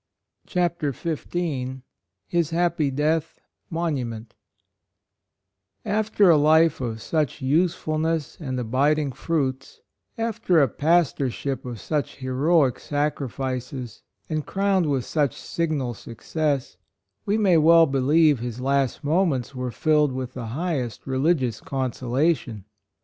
Chapter XV. ft fcppg fleatIt j|onuttteni FTER a life of such *w usefulness and abiding fruits — after a pastorship of such heroic sacrifices and crowned with such sig nal success, we may well believe his last moments were filled with the highest religious consolation.